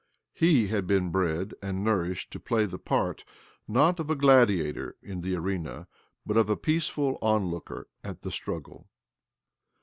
He had been bred and nourished to play the part, not of a gladiator in the arena but of a peaceful „onlooker at the struggle